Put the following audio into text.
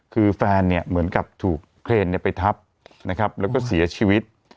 คือแฟนเนี่ยเหมือนกับถูกเครนไปทับนะครับแล้วก็เสียชีวิต